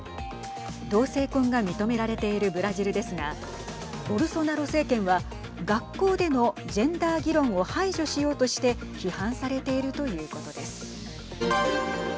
同性婚が認められているブラジルですがボルソナロ政権は学校でのジェンダー議論を排除しようとして批判されているということです。